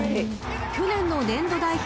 ［去年の年度代表